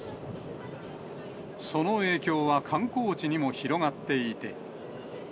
その影響は観光地にも広がっていて。